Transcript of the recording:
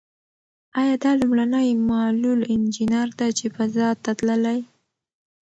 ایا دا لومړنۍ معلول انجنیر ده چې فضا ته تللې؟